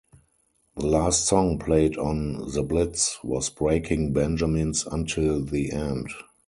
The last song played on "The Blitz" was Breaking Benjamin's "Until the End".